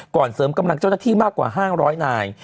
ก่อนเสริมกำลังเจ้าหน้าที่มากกว่าห้างร้อยนาย